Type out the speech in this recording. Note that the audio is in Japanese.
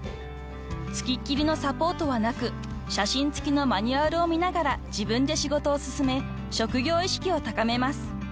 ［付きっきりのサポートはなく写真付きのマニュアルを見ながら自分で仕事を進め職業意識を高めます］